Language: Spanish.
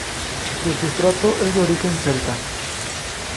Su sustrato es de origen celta.